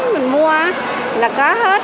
mình mua là có hết